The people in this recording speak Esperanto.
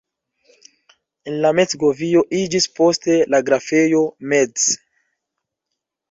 El la Metz-govio iĝis poste la grafejo Metz.